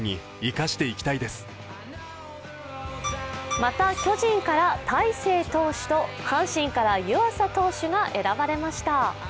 また、巨人から大勢投手と半身から湯浅投手が選ばれました。